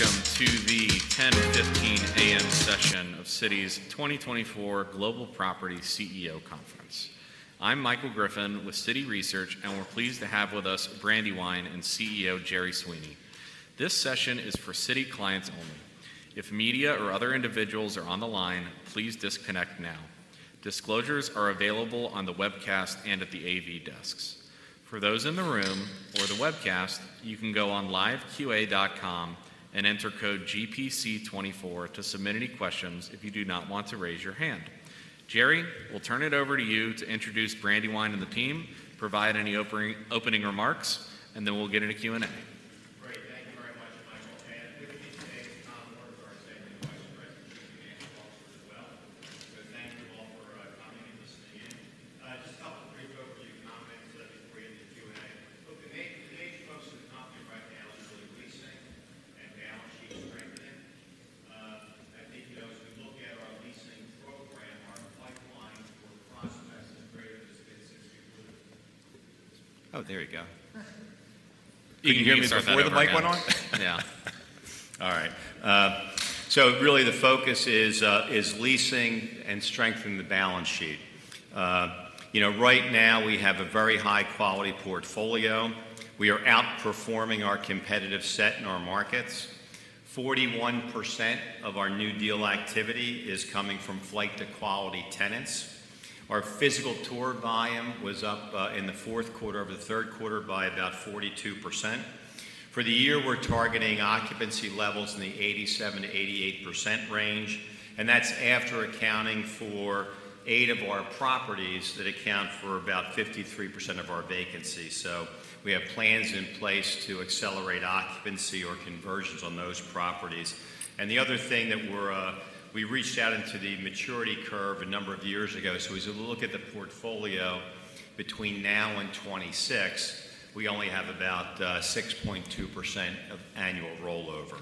Welcome to the 10:15 A.M. session of Citi's 2024 Global Property CEO Conference. I'm Michael Griffin with Citi Research, and we're pleased to have with us Brandywine and CEO Gerry Sweeney. This session is for Citi clients only. If media or other individuals are on the line, please disconnect now. Disclosures are available on the webcast and at the AV desks. For those in the room or the webcast, you can go on liveqa.com and enter code GPC24 to submit any questions if you do not want to raise your hand. Gerry, we'll turn it over to you to introduce Brandywine and the team, provide any opening remarks, and then we'll get into Q&A. Great. Thank you very much, Michael. And with me today is Tom Wirth, our executive manager at Executive Vice President and CFO as well. So thank you all for coming and listening in. Just a couple of brief overview comments before we end the Q&A. Look, the major focus of the company right now is really leasing and balance sheet strengthening. I think as we look at our leasing program, our pipeline for prospects is greater than it's been since before the pandemic. Oh, there you go. You can hear me before the mic went on? Yeah. All right. So really the focus is leasing and strengthening the balance sheet. Right now we have a very high-quality portfolio. We are outperforming our competitive set in our markets. 41% of our new deal activity is coming from flight to quality tenants. Our physical tour volume was up in the fourth quarter over the third quarter by about 42%. For the year, we're targeting occupancy levels in the 87%-88% range, and that's after accounting for 8 of our properties that account for about 53% of our vacancy. So we have plans in place to accelerate occupancy or conversions on those properties. And the other thing that we reached out into the maturity curve a number of years ago, so as we look at the portfolio between now and 2026, we only have about 6.2% of annual rollover.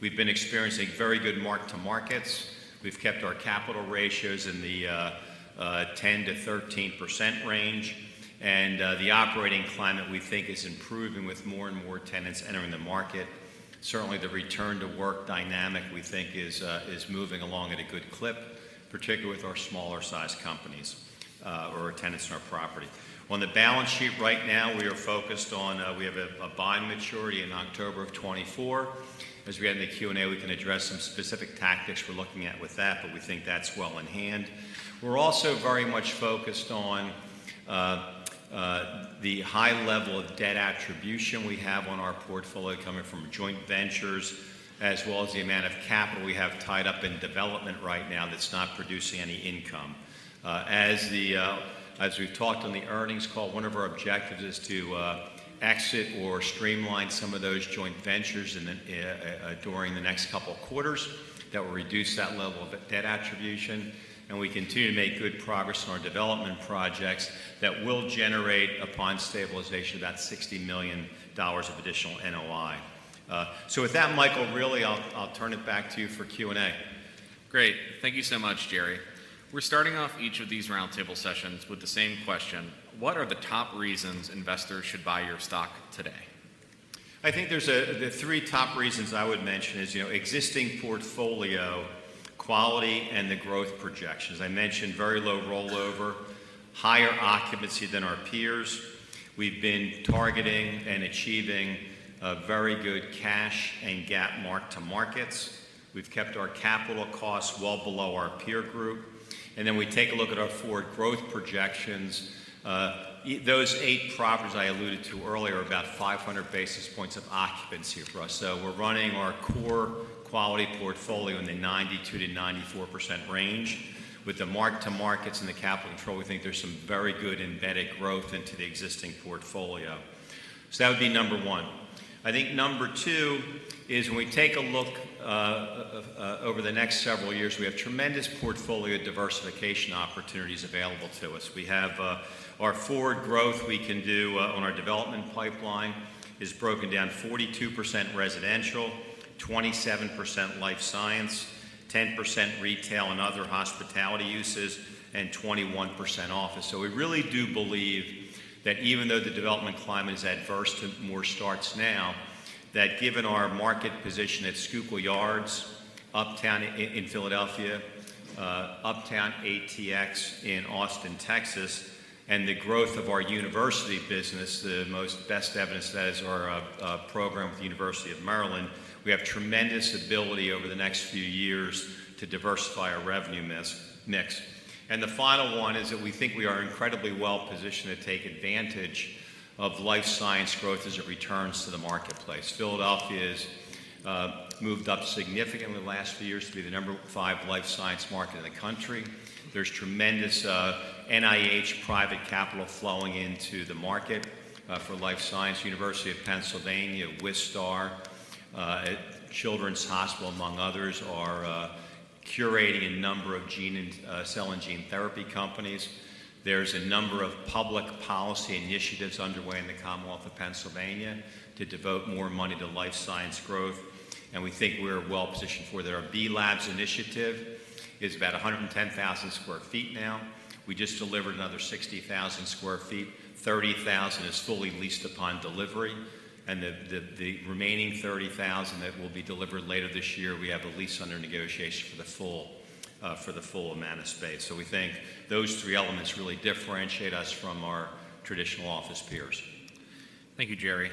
We've been experiencing very good mark-to-market. We've kept our capital ratios in the 10%-13% range, and the operating climate we think is improving with more and more tenants entering the market. Certainly, the return-to-work dynamic we think is moving along at a good clip, particularly with our smaller-sized companies or tenants in our property. On the balance sheet right now, we are focused on; we have a bond maturity in October of 2024. As we get into the Q&A, we can address some specific tactics we're looking at with that, but we think that's well in hand. We're also very much focused on the high level of debt attribution we have on our portfolio coming from joint ventures, as well as the amount of capital we have tied up in development right now that's not producing any income. As we've talked on the earnings call, one of our objectives is to exit or streamline some of those joint ventures during the next couple of quarters that will reduce that level of debt attribution, and we continue to make good progress on our development projects that will generate, upon stabilization, about $60,000,000 of additional NOI. So with that, Michael, really I'll turn it back to you for Q&A. Great. Thank you so much, Jerry. We're starting off each of these roundtable sessions with the same question: What are the top reasons investors should buy your stock today? I think the three top reasons I would mention are existing portfolio quality and the growth projections. I mentioned very low rollover, higher occupancy than our peers. We've been targeting and achieving very good cash and GAAP mark-to-markets. We've kept our capital costs well below our peer group. And then we take a look at our forward growth projections. Those eight properties I alluded to earlier are about 500 basis points of occupancy for us. So we're running our core quality portfolio in the 92%-94% range. With the mark-to-markets and the capital control, we think there's some very good embedded growth into the existing portfolio. So that would be number one. I think number two is when we take a look over the next several years, we have tremendous portfolio diversification opportunities available to us. Our forward growth we can do on our development pipeline is broken down: 42% residential, 27% life science, 10% retail and other hospitality uses, and 21% office. So we really do believe that even though the development climate is adverse to more starts now, that given our market position at Schuylkill Yards, Schuylkill Yards in Philadelphia, Uptown ATX in Austin, Texas, and the growth of our university business, the best evidence of that is our program with the University of Maryland, we have tremendous ability over the next few years to diversify our revenue mix. The final one is that we think we are incredibly well positioned to take advantage of life science growth as it returns to the marketplace. Philadelphia has moved up significantly the last few years to be the number 5 life science market in the country. There's tremendous NIH private capital flowing into the market for life science. University of Pennsylvania, Wistar, Children's Hospital, among others, are curating a number of cell and gene therapy companies. There's a number of public policy initiatives underway in the Commonwealth of Pennsylvania to devote more money to life science growth, and we think we're well positioned for that. Our B.Labs initiative is about 110,000 sq ft now. We just delivered another 60,000 sq ft. 30,000 is fully leased upon delivery, and the remaining 30,000 that will be delivered later this year, we have a lease under negotiation for the full amount of space. So we think those three elements really differentiate us from our traditional office peers. Thank you, Gerry.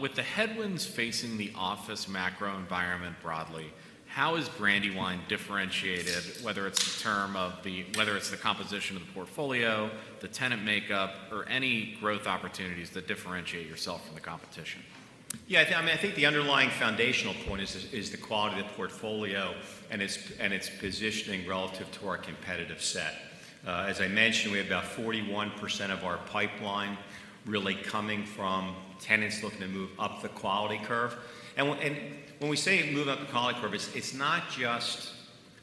With the headwinds facing the office macro environment broadly, how is Brandywine differentiated, whether it's the composition of the portfolio, the tenant makeup, or any growth opportunities that differentiate yourself from the competition? Yeah. I mean, I think the underlying foundational point is the quality of the portfolio and its positioning relative to our competitive set. As I mentioned, we have about 41% of our pipeline really coming from tenants looking to move up the quality curve. And when we say move up the quality curve, it's not just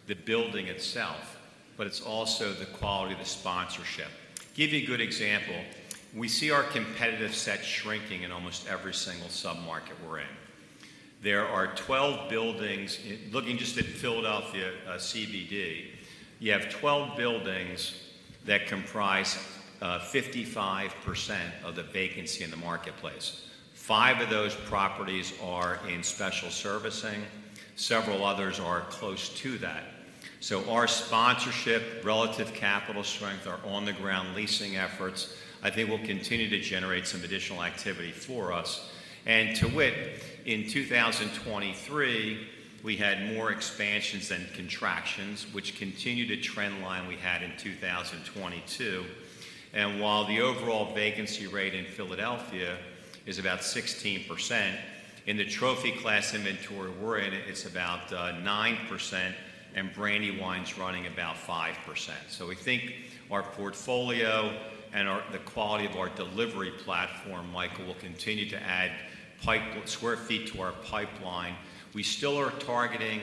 the building itself, but it's also the quality of the sponsorship. To give you a good example, we see our competitive set shrinking in almost every single submarket we're in. There are 12 buildings looking just at Philadelphia CBD; you have 12 buildings that comprise 55% of the vacancy in the marketplace. Five of those properties are in special servicing. Several others are close to that. So our sponsorship, relative capital strength, our on-the-ground leasing efforts, I think will continue to generate some additional activity for us. To wit, in 2023, we had more expansions than contractions, which continue the trend line we had in 2022. While the overall vacancy rate in Philadelphia is about 16%, in the Trophy-Class inventory we're in, it's about 9%, and Brandywine's running about 5%. So we think our portfolio and the quality of our delivery platform, Michael, will continue to add sq ft to our pipeline. We still are targeting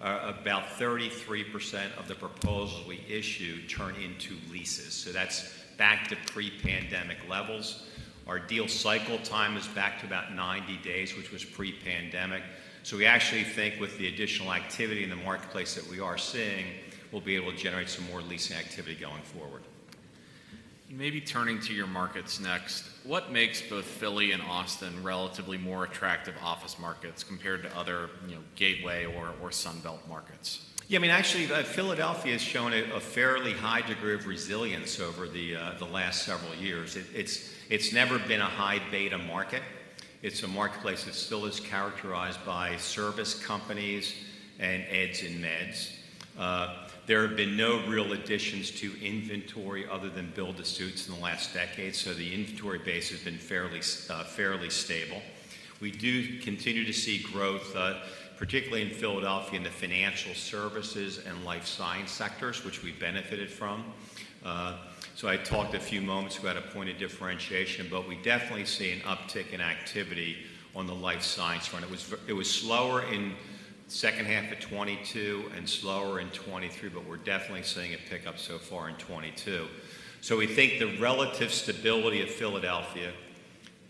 about 33% of the proposals we issue turn into leases. So that's back to pre-pandemic levels. Our deal cycle time is back to about 90 days, which was pre-pandemic. So we actually think with the additional activity in the marketplace that we are seeing, we'll be able to generate some more leasing activity going forward. Maybe turning to your markets next. What makes both Philly and Austin relatively more attractive office markets compared to other gateway or Sunbelt markets? Yeah. I mean, actually, Philadelphia has shown a fairly high degree of resilience over the last several years. It's never been a high-beta market. It's a marketplace that still is characterized by service companies and eds and meds. There have been no real additions to inventory other than build-to-suits in the last decade, so the inventory base has been fairly stable. We do continue to see growth, particularly in Philadelphia, in the financial services and life science sectors, which we've benefited from. So I talked a few moments about a point of differentiation, but we definitely see an uptick in activity on the life science front. It was slower in the second half of 2022 and slower in 2023, but we're definitely seeing a pickup so far in 2022. So we think the relative stability of Philadelphia,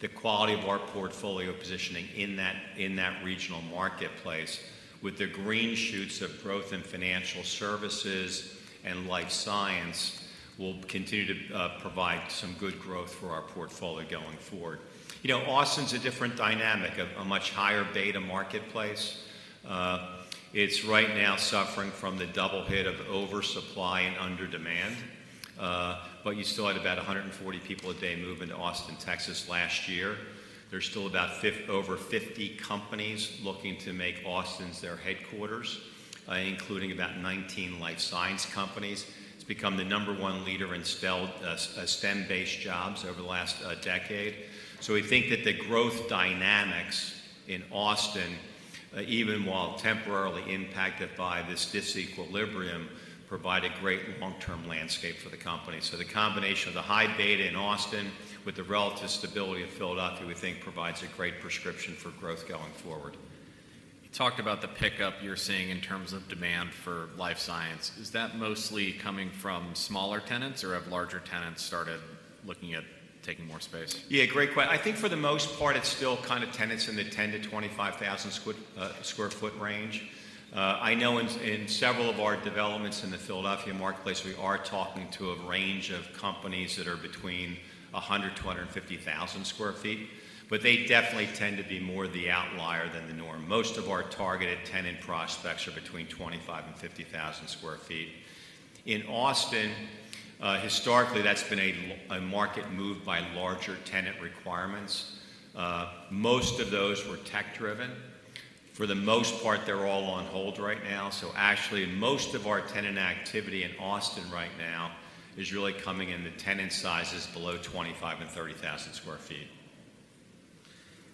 the quality of our portfolio positioning in that regional marketplace, with the green shoots of growth in financial services and life science, will continue to provide some good growth for our portfolio going forward. Austin's a different dynamic, a much higher-beta marketplace. It's right now suffering from the double hit of oversupply and under-demand, but you still had about 140 people a day move into Austin, Texas, last year. There's still over 50 companies looking to make Austin their headquarters, including about 19 life science companies. It's become the number one leader in STEM-based jobs over the last decade. So we think that the growth dynamics in Austin, even while temporarily impacted by this disequilibrium, provide a great long-term landscape for the company. So the combination of the high beta in Austin with the relative stability of Philadelphia, we think, provides a great prescription for growth going forward. You talked about the pickup you're seeing in terms of demand for life science. Is that mostly coming from smaller tenants, or have larger tenants started looking at taking more space? Yeah. Great question. I think for the most part, it's still kind of tenants in the 10,000-25,000 sq ft range. I know in several of our developments in the Philadelphia marketplace, we are talking to a range of companies that are between 100,000 to 150,000 sq ft, but they definitely tend to be more the outlier than the norm. Most of our targeted tenant prospects are between 25,000 and 50,000 sq ft. In Austin, historically, that's been a market moved by larger tenant requirements. Most of those were tech-driven. For the most part, they're all on hold right now. So actually, most of our tenant activity in Austin right now is really coming in the tenant sizes below 25,000 and 30,000 sq ft.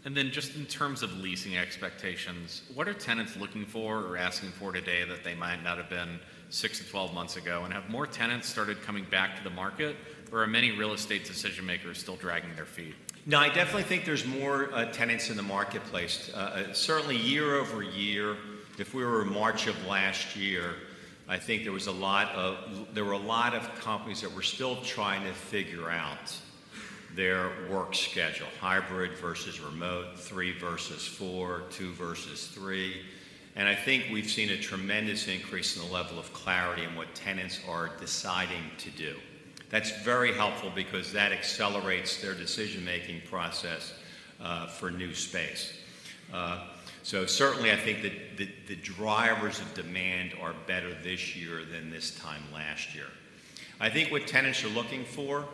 And then just in terms of leasing expectations, what are tenants looking for or asking for today that they might not have been 6-12 months ago and have more tenants started coming back to the market, or are many real estate decision-makers still dragging their feet? No. I definitely think there's more tenants in the marketplace. Certainly, year-over-year, if we were in March of last year, I think there were a lot of companies that were still trying to figure out their work schedule: hybrid versus remote, three versus four, two versus three. And I think we've seen a tremendous increase in the level of clarity in what tenants are deciding to do. That's very helpful because that accelerates their decision-making process for new space. So certainly, I think that the drivers of demand are better this year than this time last year. I think what tenants are looking for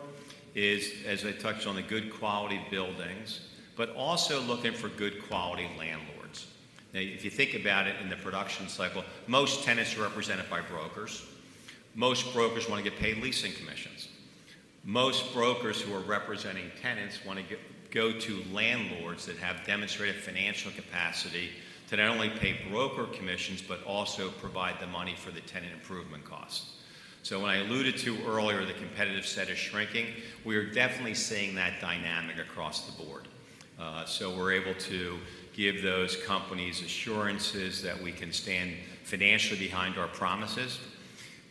is, as I touched on, the good quality buildings, but also looking for good quality landlords. Now, if you think about it in the production cycle, most tenants are represented by brokers. Most brokers want to get paid leasing commissions. Most brokers who are representing tenants want to go to landlords that have demonstrated financial capacity to not only pay broker commissions but also provide the money for the tenant improvement costs. So when I alluded to earlier, the competitive set is shrinking. We are definitely seeing that dynamic across the board. So we're able to give those companies assurances that we can stand financially behind our promises.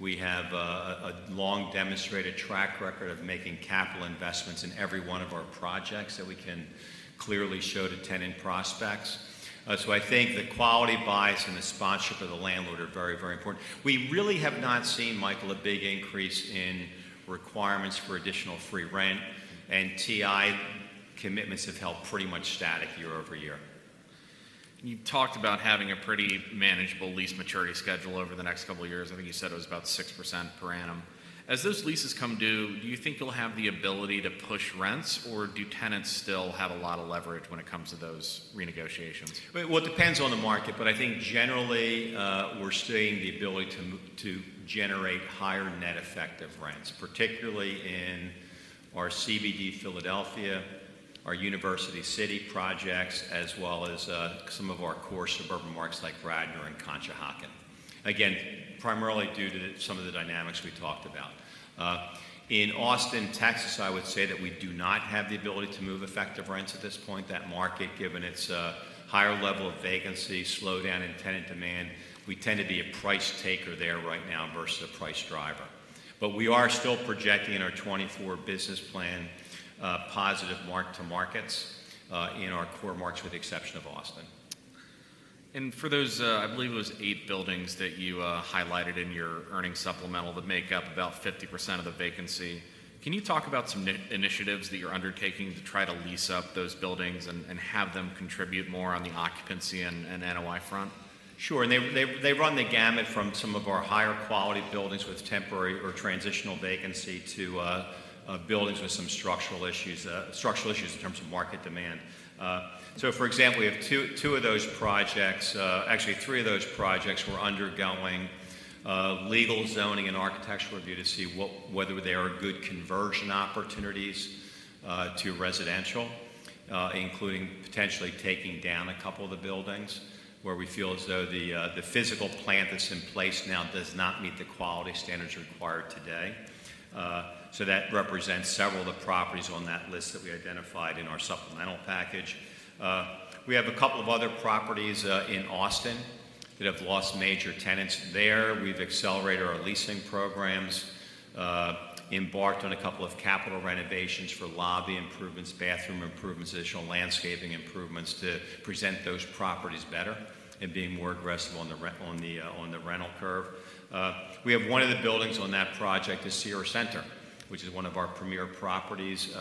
We have a long demonstrated track record of making capital investments in every one of our projects that we can clearly show to tenant prospects. So I think the quality bias and the sponsorship of the landlord are very, very important. We really have not seen, Michael, a big increase in requirements for additional free rent, and TI commitments have held pretty much static year-over-year. You talked about having a pretty manageable lease maturity schedule over the next couple of years. I think you said it was about 6% per annum. As those leases come due, do you think you'll have the ability to push rents, or do tenants still have a lot of leverage when it comes to those renegotiations? Well, it depends on the market, but I think generally, we're seeing the ability to generate higher net effective rents, particularly in our CBD Philadelphia, our University City projects, as well as some of our core suburban markets like Radnor and Conshohocken. Again, primarily due to some of the dynamics we talked about. In Austin, Texas, I would say that we do not have the ability to move effective rents at this point, that market, given its higher level of vacancy, slowdown, and tenant demand. We tend to be a price taker there right now versus a price driver. But we are still projecting in our 2024 business plan positive mark-to-markets in our core markets, with the exception of Austin. For those, I believe it was eight buildings that you highlighted in your earnings supplemental that make up about 50% of the vacancy. Can you talk about some initiatives that you're undertaking to try to lease up those buildings and have them contribute more on the occupancy and NOI front? Sure. They run the gamut from some of our higher quality buildings with temporary or transitional vacancy to buildings with some structural issues in terms of market demand. So for example, we have 2 of those projects actually, 3 of those projects we're undergoing legal zoning and architectural review to see whether there are good conversion opportunities to residential, including potentially taking down a couple of the buildings where we feel as though the physical plant that's in place now does not meet the quality standards required today. So that represents several of the properties on that list that we identified in our supplemental package. We have a couple of other properties in Austin that have lost major tenants there. We've accelerated our leasing programs, embarked on a couple of capital renovations for lobby improvements, bathroom improvements, additional landscaping improvements to present those properties better and being more aggressive on the rental curve. We have one of the buildings on that project, Cira Centre, which is one of our premier properties.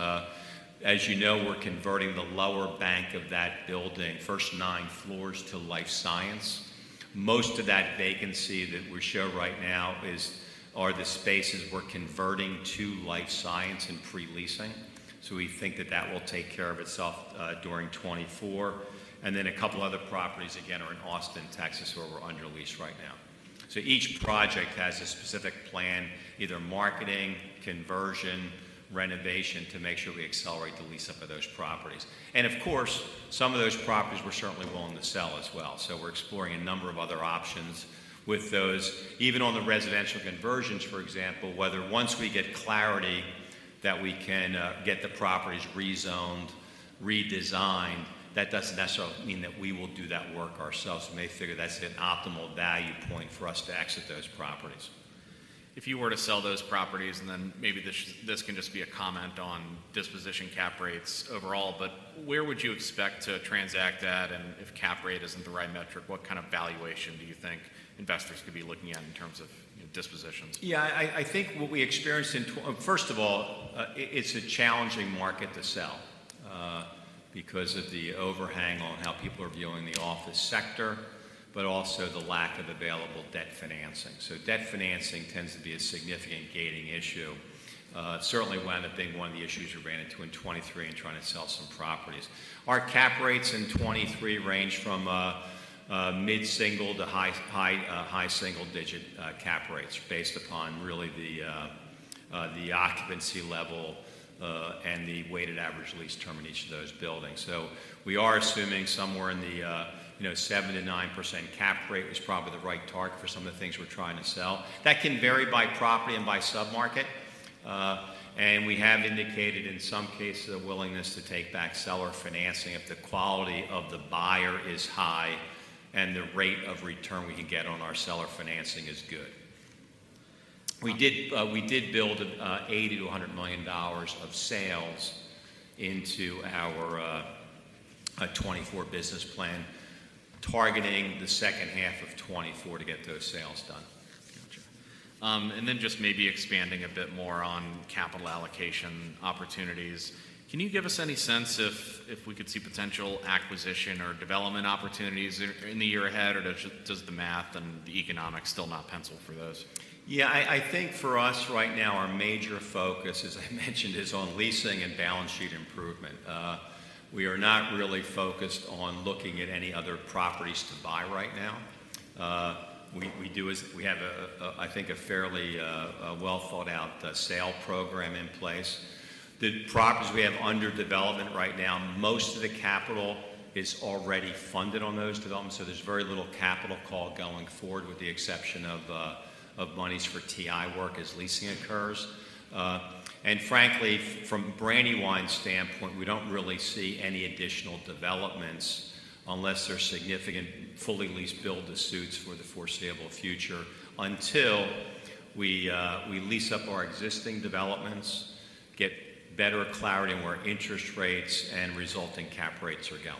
As you know, we're converting the lower bank of that building, first 9 floors, to life science. Most of that vacancy that we show right now are the spaces we're converting to life science and pre-leasing. So we think that that will take care of itself during 2024. And then a couple of other properties, again, are in Austin, Texas, where we're under lease right now. So each project has a specific plan, either marketing, conversion, renovation, to make sure we accelerate the lease up of those properties. Of course, some of those properties we're certainly willing to sell as well. We're exploring a number of other options with those. Even on the residential conversions, for example, whether once we get clarity that we can get the properties rezoned, redesigned, that doesn't necessarily mean that we will do that work ourselves. We may figure that's an optimal value point for us to exit those properties. If you were to sell those properties, and then maybe this can just be a comment on disposition cap rates overall, but where would you expect to transact at? And if cap rate isn't the right metric, what kind of valuation do you think investors could be looking at in terms of dispositions? Yeah. I think what we experienced in first of all, it's a challenging market to sell because of the overhang on how people are viewing the office sector, but also the lack of available debt financing. So debt financing tends to be a significant gating issue, certainly being one of the issues we ran into in 2023 in trying to sell some properties. Our cap rates in 2023 range from mid-single to high-single digit cap rates based upon really the occupancy level and the weighted average lease term in each of those buildings. So we are assuming somewhere in the 7%-9% cap rate was probably the right target for some of the things we're trying to sell. That can vary by property and by submarket. We have indicated in some cases a willingness to take back seller financing if the quality of the buyer is high and the rate of return we can get on our seller financing is good. We did build $80,000,000-$100,000,000 of sales into our 2024 business plan, targeting the second half of 2024 to get those sales done. Gotcha. And then just maybe expanding a bit more on capital allocation opportunities. Can you give us any sense if we could see potential acquisition or development opportunities in the year ahead, or does the math and the economics still not pencil for those? Yeah. I think for us right now, our major focus, as I mentioned, is on leasing and balance sheet improvement. We are not really focused on looking at any other properties to buy right now. We have a, I think, a fairly well-thought-out sale program in place. The properties we have under development right now, most of the capital is already funded on those developments, so there's very little capital call going forward, with the exception of monies for TI work as leasing occurs. And frankly, from Brandywine's standpoint, we don't really see any additional developments unless there's significant fully leased build-to-suit for the foreseeable future, until we lease up our existing developments, get better clarity in where interest rates and resulting cap rates are going.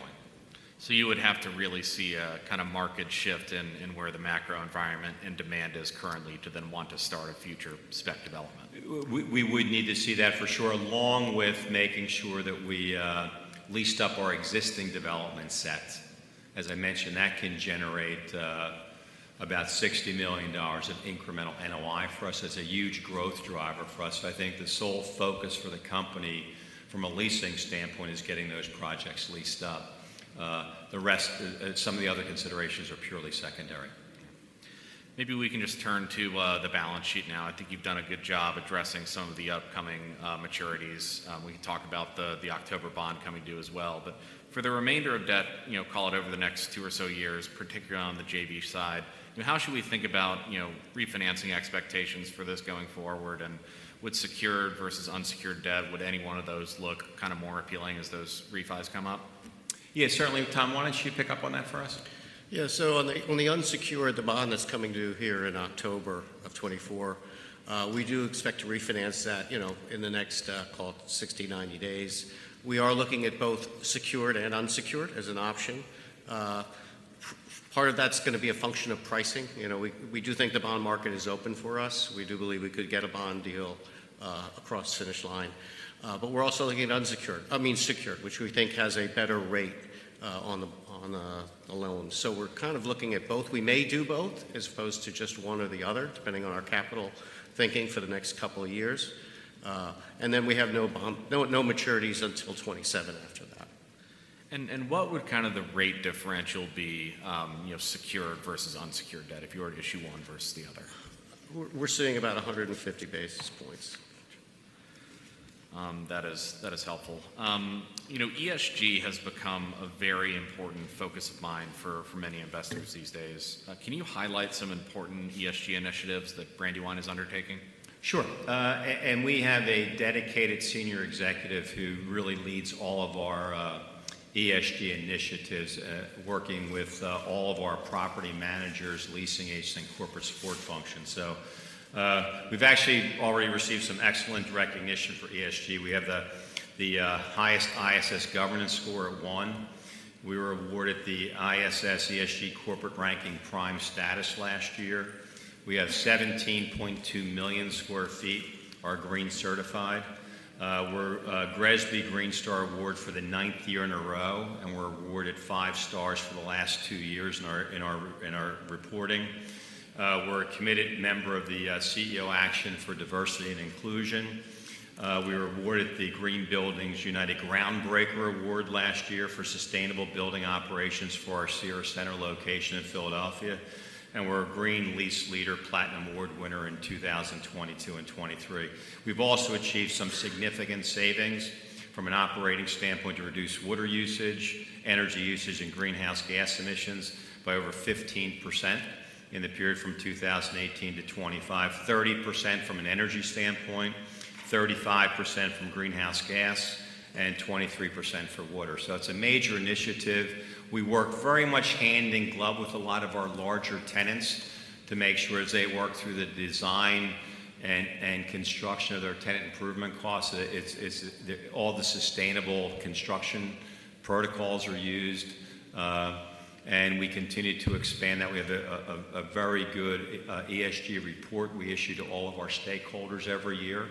So you would have to really see a kind of market shift in where the macro environment and demand is currently to then want to start a future spec development? We would need to see that for sure, along with making sure that we leased up our existing development set. As I mentioned, that can generate about $60,000,000 of incremental NOI for us. That's a huge growth driver for us. So I think the sole focus for the company, from a leasing standpoint, is getting those projects leased up. Some of the other considerations are purely secondary. Maybe we can just turn to the balance sheet now. I think you've done a good job addressing some of the upcoming maturities. We can talk about the October bond coming due as well. But for the remainder of debt, call it over the next two or so years, particularly on the JV side, how should we think about refinancing expectations for this going forward? And with secured versus unsecured debt, would any one of those look kind of more appealing as those refis come up? Yeah. Certainly, Tom. Why don't you pick up on that for us? Yeah. So on the unsecured, the bond that's coming due here in October 2024, we do expect to refinance that in the next, call it, 60-90 days. We are looking at both secured and unsecured as an option. Part of that's going to be a function of pricing. We do think the bond market is open for us. We do believe we could get a bond deal across the finish line. But we're also looking at unsecured I mean, secured, which we think has a better rate on the loan. So we're kind of looking at both. We may do both as opposed to just one or the other, depending on our capital thinking for the next couple of years. And then we have no maturities until 2027 after that. What would kind of the rate differential be secured versus unsecured debt, if you were to issue one versus the other? We're seeing about 150 basis points. Gotcha. That is helpful. ESG has become a very important focus of mind for many investors these days. Can you highlight some important ESG initiatives that Brandywine is undertaking? Sure. We have a dedicated senior executive who really leads all of our ESG initiatives, working with all of our property managers, leasing agents, and corporate support functions. So we've actually already received some excellent recognition for ESG. We have the highest ISS governance score at 1. We were awarded the ISS ESG Corporate Ranking Prime status last year. We have 17,200,000 sq ft are green certified. We're GRESB Green Star Award for the ninth year in a row, and we're awarded five stars for the last two years in our reporting. We're a committed member of the CEO Action for Diversity and Inclusion. We were awarded the Green Buildings United Groundbreaker Award last year for sustainable building operations for our Cira Centre location in Philadelphia. We're a Green Lease Leader Platinum Award winner in 2022 and 2023. We've also achieved some significant savings from an operating standpoint to reduce water usage, energy usage, and greenhouse gas emissions by over 15% in the period from 2018 to 2025, 30% from an energy standpoint, 35% from greenhouse gas, and 23% for water. So it's a major initiative. We work very much hand in glove with a lot of our larger tenants to make sure as they work through the design and construction of their tenant improvement costs, all the sustainable construction protocols are used. And we continue to expand that. We have a very good ESG report we issue to all of our stakeholders every year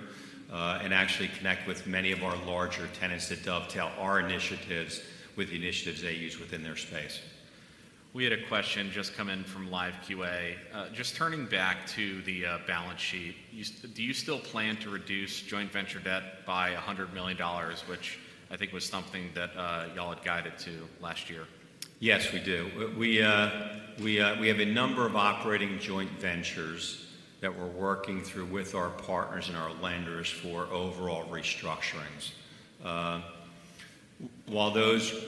and actually connect with many of our larger tenants to dovetail our initiatives with the initiatives they use within their space. We had a question just come in from live QA. Just turning back to the balance sheet, do you still plan to reduce joint venture debt by $100,000,000, which I think was something that y'all had guided to last year? Yes, we do. We have a number of operating joint ventures that we're working through with our partners and our lenders for overall restructurings. While those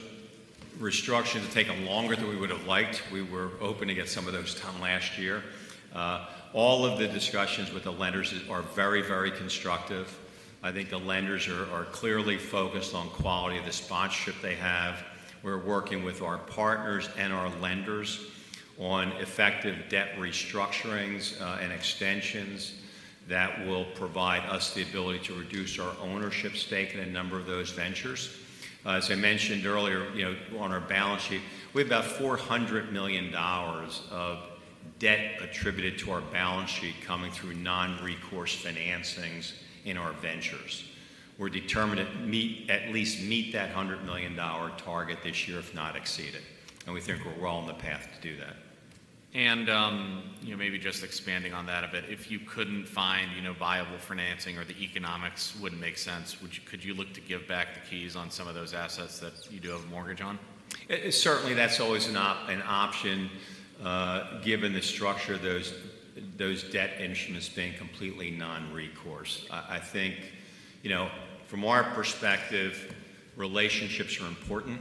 restructurings will take longer than we would have liked, we were open to get some of those, Tom, last year. All of the discussions with the lenders are very, very constructive. I think the lenders are clearly focused on quality of the sponsorship they have. We're working with our partners and our lenders on effective debt restructurings and extensions that will provide us the ability to reduce our ownership stake in a number of those ventures. As I mentioned earlier on our balance sheet, we have about $400,000,000of debt attributed to our balance sheet coming through non-recourse financings in our ventures. We're determined to at least meet that $100,000,000 target this year, if not exceed it. We think we're well on the path to do that. Maybe just expanding on that a bit, if you couldn't find viable financing or the economics wouldn't make sense, could you look to give back the keys on some of those assets that you do have a mortgage on? Certainly, that's always an option given the structure of those debt instruments being completely non-recourse. I think from our perspective, relationships are important.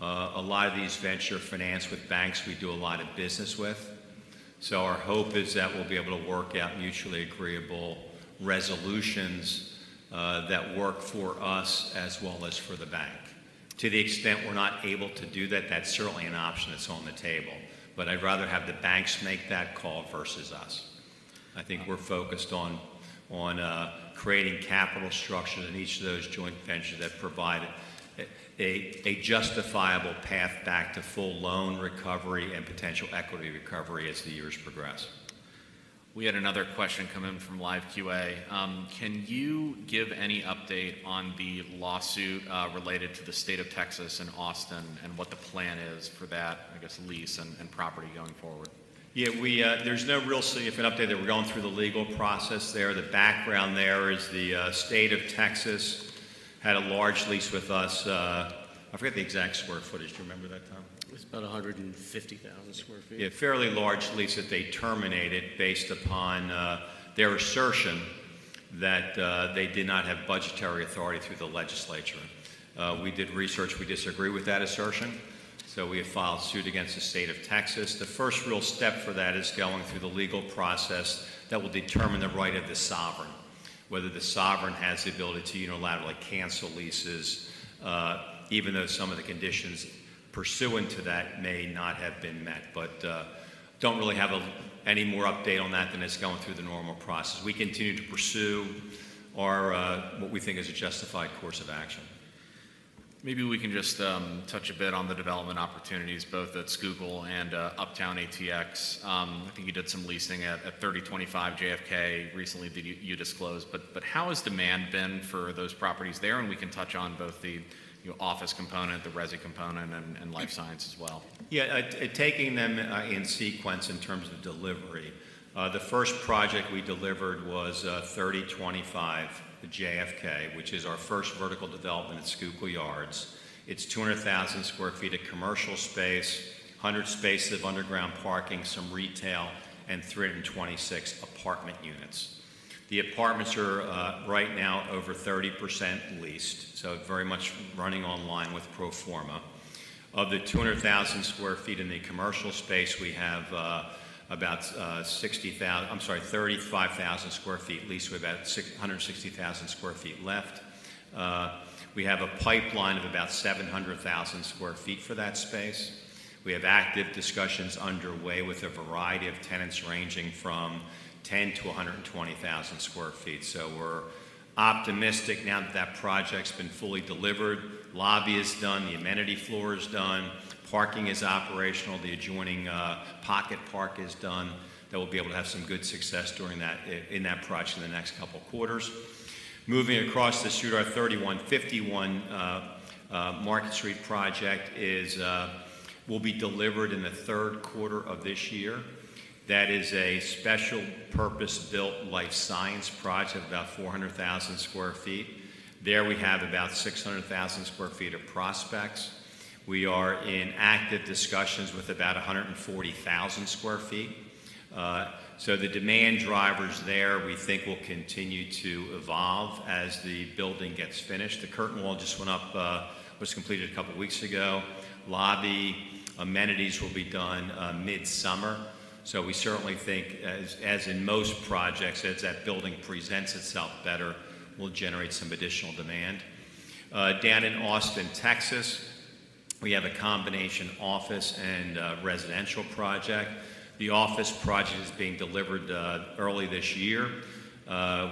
A lot of these ventures are financed with banks we do a lot of business with. So our hope is that we'll be able to work out mutually agreeable resolutions that work for us as well as for the bank. To the extent we're not able to do that, that's certainly an option that's on the table. But I'd rather have the banks make that call versus us. I think we're focused on creating capital structures in each of those joint ventures that provide a justifiable path back to full loan recovery and potential equity recovery as the years progress. We had another question come in from live QA. Can you give any update on the lawsuit related to the state of Texas and Austin and what the plan is for that, I guess, lease and property going forward? Yeah. There's no real significant update there. We're going through the legal process there. The background there is the state of Texas had a large lease with us. I forget the exact square footage. Do you remember that, Tom? It was about 150,000 sq ft. Yeah. Fairly large lease that they terminated based upon their assertion that they did not have budgetary authority through the legislature. We did research. We disagree with that assertion. So we have filed a suit against the State of Texas. The first real step for that is going through the legal process that will determine the right of the sovereign, whether the sovereign has the ability to unilaterally cancel leases, even though some of the conditions pursuant to that may not have been met. But don't really have any more update on that than it's going through the normal process. We continue to pursue what we think is a justified course of action. Maybe we can just touch a bit on the development opportunities, both at Schuylkill Yards and Uptown ATX. I think you did some leasing at 3025 JFK recently that you disclosed. But how has demand been for those properties there? And we can touch on both the office component, the resi component, and life science as well. Yeah. Taking them in sequence in terms of delivery, the first project we delivered was 3025 JFK, which is our first vertical development at Schuylkill Yards. It's 200,000 sq ft of commercial space, 100 spaces of underground parking, some retail, and 326 apartment units. The apartments are right now over 30% leased, so very much running in line with pro forma. Of the 200,000 sq ft in the commercial space, we have about 60,000. I'm sorry, 35,000 sq ft leased. We have about 160,000 sq ft left. We have a pipeline of about 700,000 sq ft for that space. We have active discussions underway with a variety of tenants ranging from 10-120,000 sq ft. So we're optimistic now that that project's been fully delivered. Lobby is done. The amenity floor is done. Parking is operational. The adjoining pocket park is done. That we'll be able to have some good success in that project in the next couple of quarters. Moving across the street, our 3151 Market Street project will be delivered in the third quarter of this year. That is a special-purpose-built life science project of about 400,000 sq ft. There, we have about 600,000 sq ft of prospects. We are in active discussions with about 140,000 sq ft. So the demand drivers there, we think, will continue to evolve as the building gets finished. The curtain wall just went up, was completed a couple of weeks ago. Lobby amenities will be done midsummer. So we certainly think, as in most projects, as that building presents itself better, we'll generate some additional demand. Down in Austin, Texas, we have a combination office and residential project. The office project is being delivered early this year.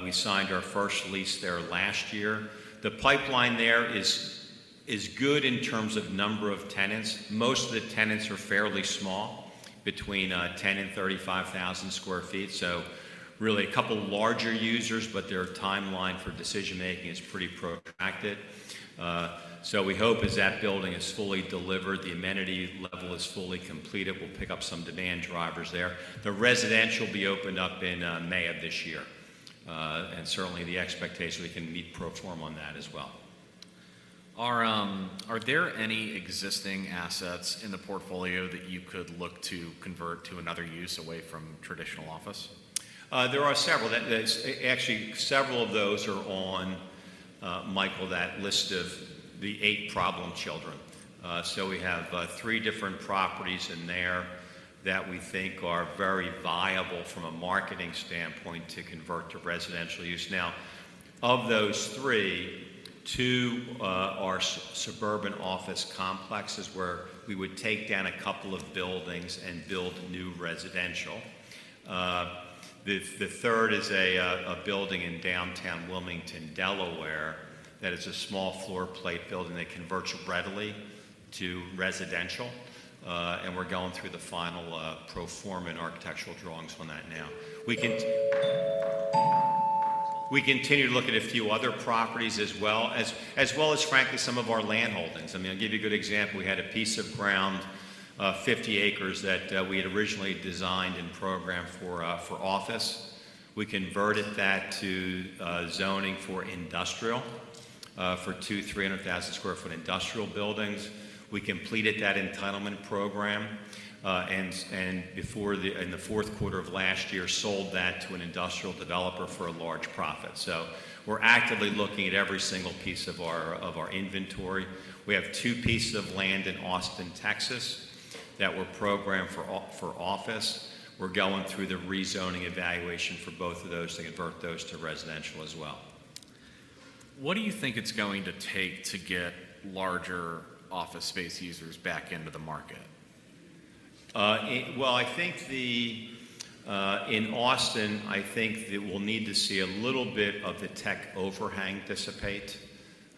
We signed our first lease there last year. The pipeline there is good in terms of number of tenants. Most of the tenants are fairly small, between 10 and 35,000 sq ft. So really, a couple larger users, but their timeline for decision-making is pretty proactive. So we hope as that building is fully delivered, the amenity level is fully completed, we'll pick up some demand drivers there. The residential will be opened up in May of this year. Certainly, the expectation is we can meet pro forma on that as well. Are there any existing assets in the portfolio that you could look to convert to another use away from traditional office? There are several. Actually, several of those are on, Michael, that list of the 8 problem children. So we have 3 different properties in there that we think are very viable from a marketing standpoint to convert to residential use. Now, of those 3, 2 are suburban office complexes where we would take down a couple of buildings and build new residential. The third is a building in downtown Wilmington, Delaware, that is a small floor-plate building that converts readily to residential. And we're going through the final pro forma and architectural drawings on that now. We continue to look at a few other properties as well, as well as, frankly, some of our land holdings. I mean, I'll give you a good example. We had a piece of ground, 50 acres, that we had originally designed and programmed for office. We converted that to zoning for industrial, for two 300,000-sq ft industrial buildings. We completed that entitlement program and, in the fourth quarter of last year, sold that to an industrial developer for a large profit. So we're actively looking at every single piece of our inventory. We have two pieces of land in Austin, Texas, that were programmed for office. We're going through the rezoning evaluation for both of those to convert those to residential as well. What do you think it's going to take to get larger office space users back into the market? Well, in Austin, I think that we'll need to see a little bit of the tech overhang dissipate.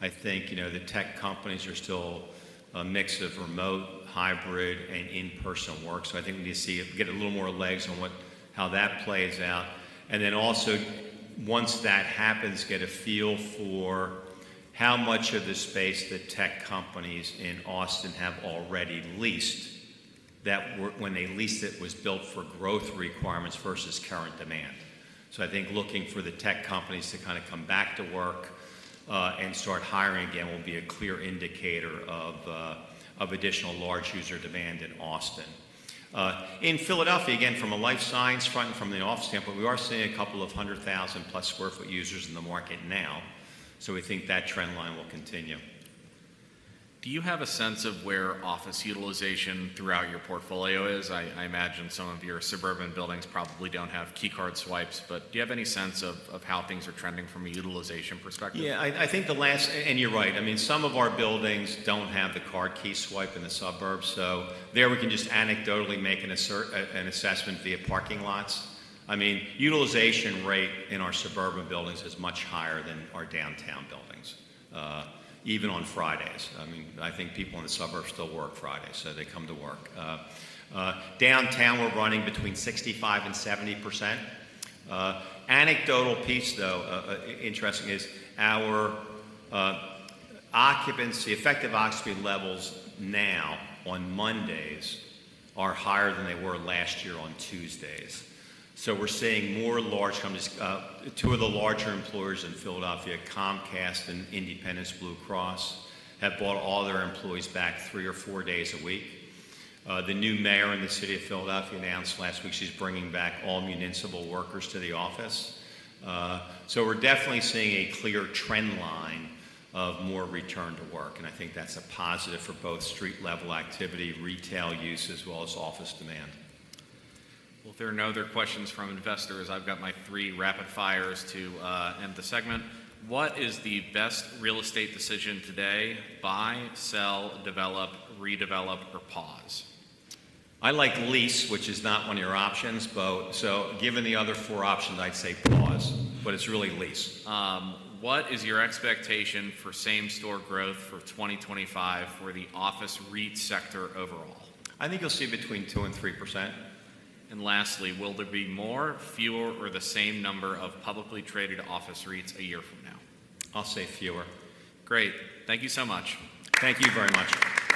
I think the tech companies are still a mix of remote, hybrid, and in-person work. So I think we need to get a little more legs on how that plays out. And then also, once that happens, get a feel for how much of the space the tech companies in Austin have already leased that, when they leased it, was built for growth requirements versus current demand. So I think looking for the tech companies to kind of come back to work and start hiring again will be a clear indicator of additional large user demand in Austin. In Philadelphia, again, from a life science front and from the office standpoint, we are seeing a couple of 100,000+ sq ft users in the market now. We think that trend line will continue. Do you have a sense of where office utilization throughout your portfolio is? I imagine some of your suburban buildings probably don't have keycard swipes. But do you have any sense of how things are trending from a utilization perspective? Yeah. And you're right. I mean, some of our buildings don't have the card key swipe in the suburbs. So there, we can just anecdotally make an assessment via parking lots. I mean, utilization rate in our suburban buildings is much higher than our downtown buildings, even on Fridays. I mean, I think people in the suburbs still work Fridays, so they come to work. Downtown, we're running between 65%-70%. Anecdotal piece, though, interesting, is our effective occupancy levels now on Mondays are higher than they were last year on Tuesdays. So we're seeing more large companies. Two of the larger employers in Philadelphia, Comcast and Independence Blue Cross, have brought all their employees back three or four days a week. The new mayor in the city of Philadelphia announced last week she's bringing back all municipal workers to the office. We're definitely seeing a clear trend line of more return to work. I think that's a positive for both street-level activity, retail use, as well as office demand. Well, if there are no other questions from investors, I've got my three rapid-fires to end the segment. What is the best real estate decision today: buy, sell, develop, redevelop, or pause? I like lease, which is not one of your options. So given the other four options, I'd say pause. But it's really lease. What is your expectation for same-store growth for 2025 for the office REIT sector overall? I think you'll see between 2% and 3%. Lastly, will there be more, fewer, or the same number of publicly traded office REITs a year from now? I'll say fewer. Great. Thank you so much. Thank you very much.